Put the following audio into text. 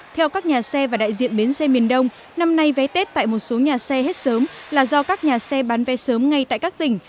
theo các nhà xe và đại diện bến xe miền đông năm nay vé tết tại một số nhà xe hết sớm là do các nhà xe bán vé sớm ngay tại các tỉnh